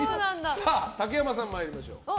竹山さん、参りましょう。